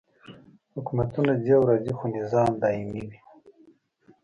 حکومتونه ځي او راځي خو نظام دایمي وي.